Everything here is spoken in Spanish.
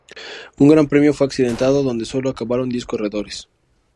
Un Gran Premio muy accidentado donde solo acabaron diez corredores.